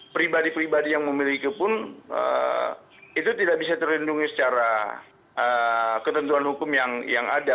pribadi pribadi yang memiliki pun itu tidak bisa terlindungi secara ketentuan hukum yang ada